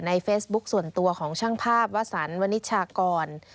เฟซบุ๊คส่วนตัวของช่างภาพวสันวนิชากร